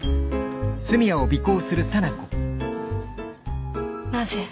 心の声なぜ？